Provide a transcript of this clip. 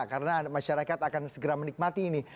karena masyarakat akan segera menikmati ini